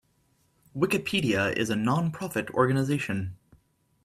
Wikipedia is a non-profit organization.